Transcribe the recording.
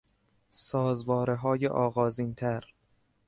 سازوارههای آغازین تر